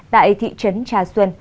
tại thị trấn trà xuân